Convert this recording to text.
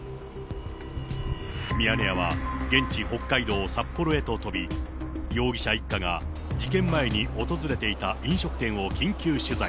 ミヤネ屋は現地、北海道札幌へと飛び、容疑者一家が事件前に訪れていた飲食店を緊急取材。